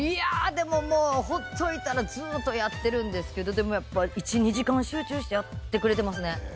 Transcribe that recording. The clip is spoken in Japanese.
でももうほっといたらずーっとやってるんですけど１２時間集中してやってくれてますね。